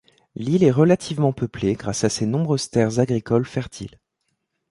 L'île est relativement peuplée grâce à ses nombreuses terres agricoles fertiles.